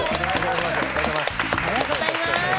おはようございます。